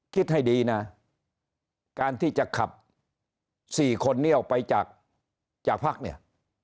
คิดให้ดีนะการที่จะขับ๔คนนี้ออกไปจากพักเนี่ย